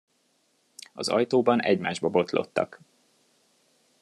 Az ajtóban egymásba botlottak.